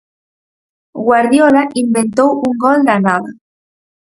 Guardiola inventou un gol da nada.